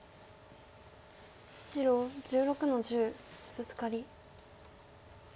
白１６の十ブツカリ。